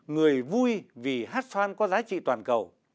người vui vì hét xoan có giá trị toàn cầu